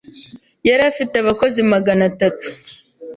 yari afite abakozi magana tatu